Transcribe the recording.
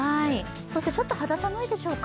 そしてちょっと肌寒いでしょうか。